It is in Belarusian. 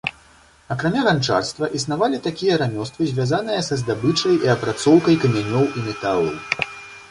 Акрамя ганчарства існавалі такія рамёствы, звязаныя са здабычай і апрацоўкай камянёў і металаў.